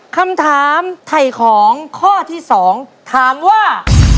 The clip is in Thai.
คำถามไถ่ของข้อที่๒ถามว่า